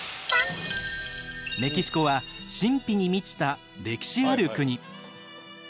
メキシコは神秘に満ちた歴史ある国。